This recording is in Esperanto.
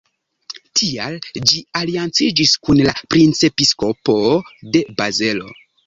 Tial ĝi alianciĝis kun la princepiskopo de Bazelo.